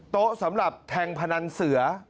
สำหรับแทงพนันเสือ